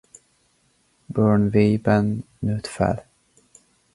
Bournville-ben nőtt fel.